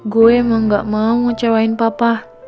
gue emang gak mau ngecewain papa